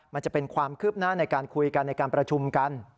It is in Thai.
มันจะเป็นความคืบหน้าในการคุยกันในการประชุมกัน